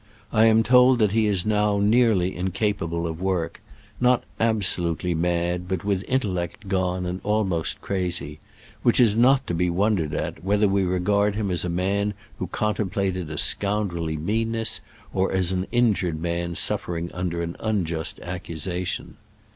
I am told that he is now nearly incapable of work — not absolutely mad, but with intellect gone and almost crazy ; which is not to be wondered at, whether we regard him as a man who contemplated a scoundrelly meanness, or as an in jured man sufTering under an unjust accusation.